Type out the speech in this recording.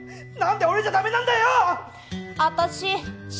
なんで俺じゃダメなんだよ！